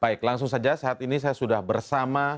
baik langsung saja saat ini saya sudah bersama